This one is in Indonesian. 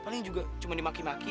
paling juga cuma dimaki maki